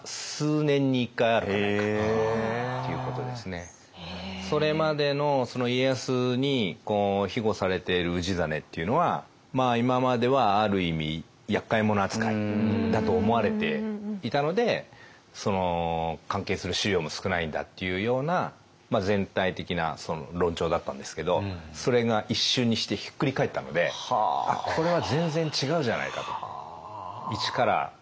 これぐらいの発見はそれまでの家康にひごされている氏真っていうのは今まではある意味やっかい者扱いだと思われていたので関係する史料も少ないんだっていうような全体的な論調だったんですけどそれが一瞬にしてひっくり返ったのでこれは全然違うじゃないかと。